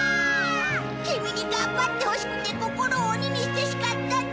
キミに頑張ってほしくて心を鬼にして叱ったんだ。